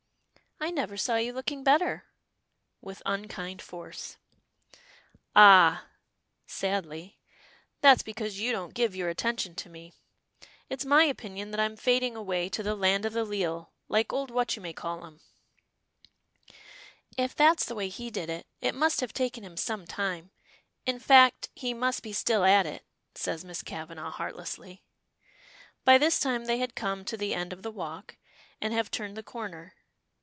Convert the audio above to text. "I never saw you looking better," with unkind force. "Ah!" sadly, "that's because you don't give your attention to me. It's my opinion that I'm fading away to the land o' the leal, like old What you may call 'em." "If that's the way he did it, it must have taken him some time. In fact, he must be still at it," says Miss Kavanagh, heartlessly. By this time they had come to the end of the walk, and have turned the corner.